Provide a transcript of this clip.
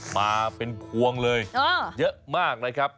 มาเป็นพวงเลยเยอะมากนะครับ